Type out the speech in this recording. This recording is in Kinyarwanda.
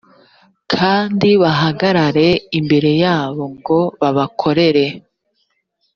kandi bahagarare imbere yabo ngo babakorere